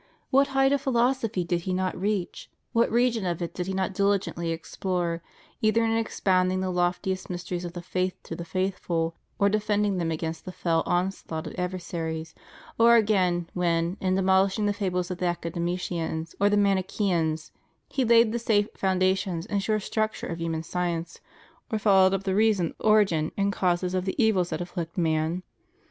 What height of philosophy did he not reach? What region of it did he not diligently explore, either in expounding the loftiest mysteries of the faith to the faithful, or defending them against the fell onslaught of adversaries, or again when, in demolishing the fables of the academicians or the Manichseans, he laid the safe foundations and sure struc ture of human science, or followed up the reason, origin, and causes of the evils that afflict man?